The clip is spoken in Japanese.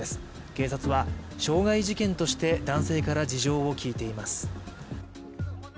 警察は傷害事件として、男性から事情を聴いています。